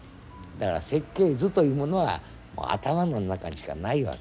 だから設計図というものは頭の中にしかないわけ。